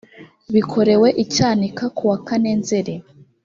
bikorewe i cyanika kuwa kane nzeri